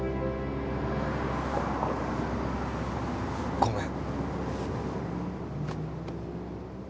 ごめん。